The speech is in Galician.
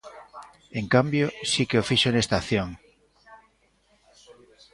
En cambio, si que o fixo nesta acción.